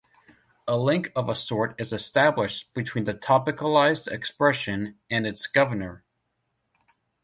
A link of a sort is established between the topicalized expression and its governor.